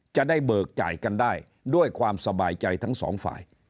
จะได้เบิกจ่ายกันได้ด้วยความสบายใจทั้งสองฝ่าย